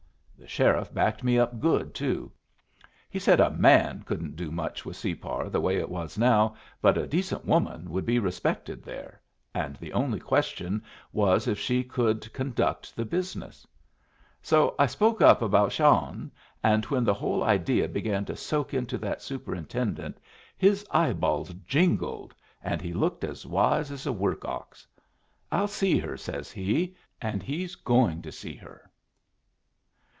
The sheriff backed me up good, too. He said a man couldn't do much with Separ the way it was now; but a decent woman would be respected there, and the only question was if she could conduct the business. So I spoke up about Shawhan, and when the whole idea began to soak into that superintendent his eyeballs jingled and he looked as wise as a work ox. 'I'll see her,' says he. And he's going to see her."